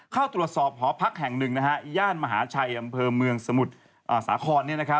เข้าตรวจสอบหอพักแห่งหนึ่งย่านมหาชัยอำเภอเมืองสมุทรสาคร